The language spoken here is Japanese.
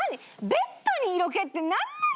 ベッドに色気ってなんなの？